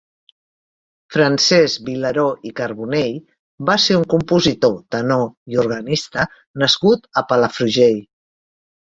Francesc Vilaró i Carbonell va ser un compositor, tenor i organista nascut a Palafrugell.